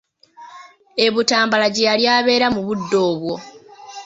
E Butambala gye yali abeera mu budde obwo.